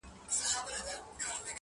د ښار په جوارگرو باندي واوښتلې گراني .